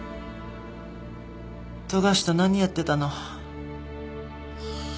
富樫と何やってたの？